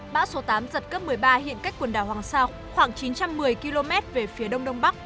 bão số tám giật cấp một mươi ba hiện cách quần đảo hoàng sa khoảng chín trăm một mươi km về phía đông đông bắc